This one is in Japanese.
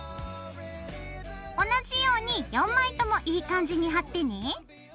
同じように４枚ともいい感じに貼ってね。